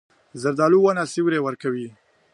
زردالو ونه سیوری ورکوي.